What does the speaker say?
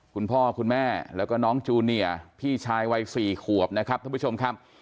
คุณพ่อคุณแม่แล้วก็น้องจูเนียพี่ชายวัย๔ขวบนะครับท่านผู้ชมครับ